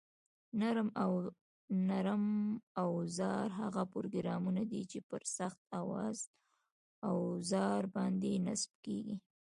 نرم اوزار هغه پروګرامونه دي چې پر سخت اوزار باندې نصب شوي